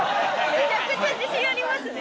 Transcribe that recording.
めちゃくちゃ自信ありますね。